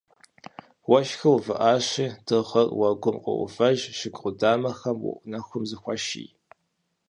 Уэшхыр увыӏащи, дыгъэр уэгум къоувэж, жыг къудамэхэм нэхум зыхуаший.